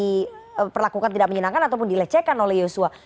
ini perlakukan tidak menyenangkan ataupun dilecehkan oleh yosua